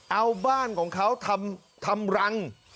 เอาบ้านของเขาทำรัง